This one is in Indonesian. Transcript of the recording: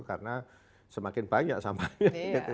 karena semakin banyak sampahnya gitu ya